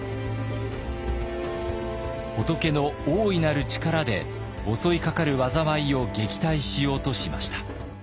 仏の大いなる力で襲いかかる災いを撃退しようとしました。